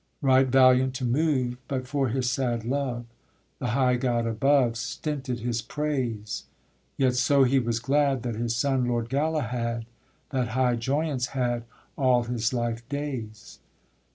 _ Right valiant to move, But for his sad love The high God above Stinted his praise. _Yet so he was glad That his son, Lord Galahad, That high joyaunce had All his life days.